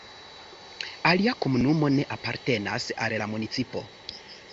Alia komunumo ne apartenas al la municipo.